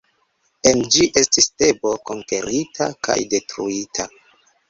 En ĝi estis Tebo konkerita kaj detruita.